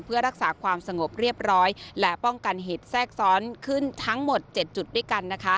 เพื่อรักษาความสงบเรียบร้อยและป้องกันเหตุแทรกซ้อนขึ้นทั้งหมด๗จุดด้วยกันนะคะ